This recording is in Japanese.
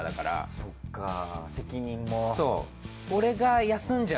そっか責任も。